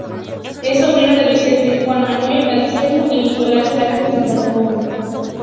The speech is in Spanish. Es sobrino de Vicente, Juan Manuel, Anselmo y Nicolas de la Cruz y Bahamonde.